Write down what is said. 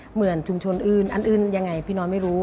เหมือนชุมชนอื่นอันอื่นยังไงพี่น้อยไม่รู้